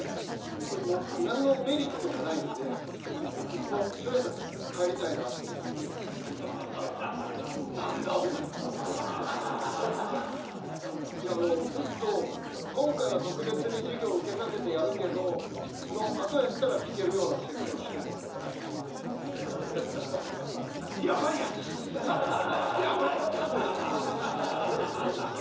これもう何のメリットもないんでもうそれやったら帰りたいなと思って何だお前いやあのずっと今回は特別に授業受けさせてやるけどのあとやったら聞けるような説教してるんではいヤバいやつヤバいヤバいやつそうだよな